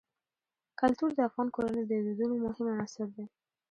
کلتور د افغان کورنیو د دودونو مهم عنصر دی.